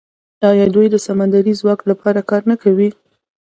آیا دوی د سمندري ځواک لپاره کار نه کوي؟